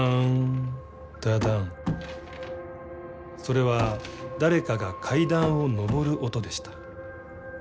それは誰かが階段を上る音でした。